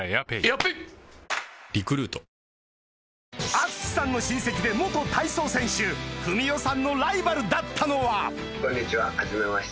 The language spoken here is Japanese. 淳さんの親戚で体操選手富美雄さんのライバルだったのは？